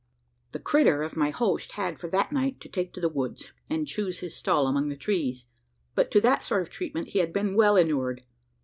The "critter" of my host had, for that night, to take to the woods, and choose his stall among the trees but to that sort of treatment he had been well inured.